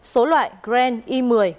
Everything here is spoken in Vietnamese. số loại grand i một mươi